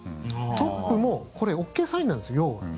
トップもこれ、ＯＫサインです、要は。